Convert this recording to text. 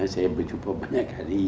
saya berjumpa banyak kali